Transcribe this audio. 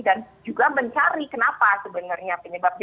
dan juga mencari kenapa sebenarnya penyebabnya